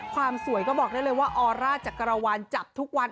ความสวยก็บอกได้เลยว่าออร่าจักรวาลจับทุกวัน